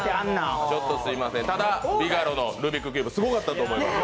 ただルービックキューブすごかったと思います。